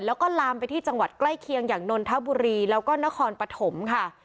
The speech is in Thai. แล้วก็ลามไปที่จังหวัดใกล้เคียงอย่างนนทบุรีแล้วก็นครปฐมค่ะ